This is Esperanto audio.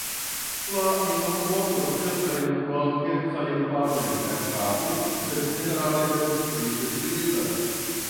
La ino montras kelkajn blankecajn partojn en kapo, sed ĝenerale estas pli striita.